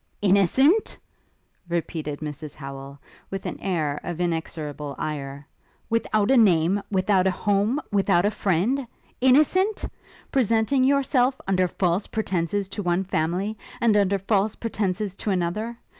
'Innocent?' repeated Mrs Howel, with an air of inexorable ire; 'without a name, without a home, without a friend? Innocent? presenting yourself under false appearances to one family, and under false pretences to another?